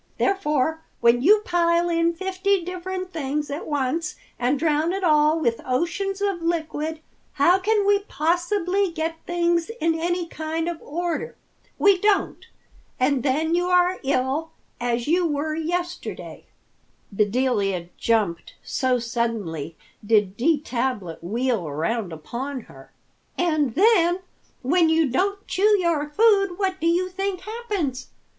Therefore when you pile in fifty different things at once and drown it all with oceans of liquid, how can we possibly get things in any kind of order? We don't, and then you are ill, as you were yesterday." Bedelia jumped, so suddenly did D. Tablet wheel around upon her. "And then when you don't chew your food, what do you think happens?